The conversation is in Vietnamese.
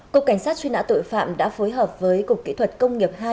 cục cảnh sát truy nã tội phạm đã phối hợp với cục kỹ thuật công nghiệp hai